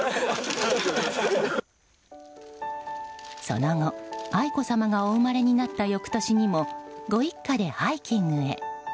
その後、愛子さまがお生まれになった翌年にもご一家でハイキングへ。